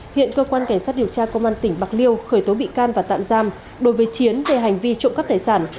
hiện cơ quan cảnh sát điều tra công an tỉnh bạc liêu khởi tố bị can và tạm giam đối với chiến về hành vi trộm cắp tài sản